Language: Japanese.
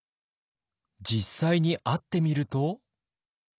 実際に会ってみると。